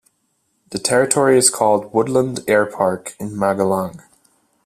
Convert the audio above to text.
The territory is called "Woodland Air Park" in Magalang.